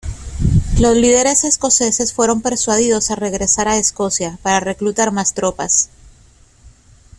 Los líderes escoceses fueron persuadidos a regresar a Escocia para reclutar más tropas.